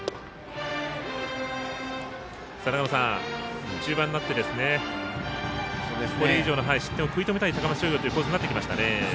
長野さん、中盤になってこれ以上の失点を食い止めたい高松商業という構図になってきましたね。